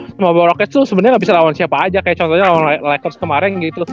sama bob rockets tuh sebenernya gak bisa lawan siapa aja kayak contohnya lawan rekerts kemaren gitu